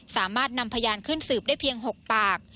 สามารถนำพยานขึ้นสืบได้เพียง๖ปาก